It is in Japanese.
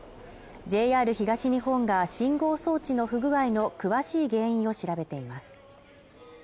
ＪＲ東日本が信号装置の不具合の詳しい原因を調べています